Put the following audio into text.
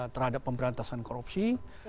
terhadap pemberantasan korupsi